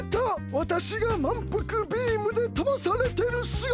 わたしがまんぷくビームでとばされてるすがたが。